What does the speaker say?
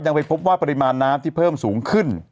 ไปพบว่าปริมาณน้ำที่เพิ่มสูงขึ้น